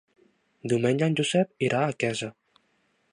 Diumenge en Josep irà a Quesa.